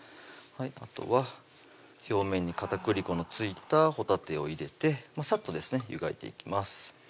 あとは表面に片栗粉の付いたほたてを入れてサッとですね湯がいていきます